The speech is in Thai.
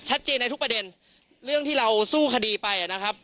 ในทุกประเด็นเรื่องที่เราสู้คดีไปนะครับ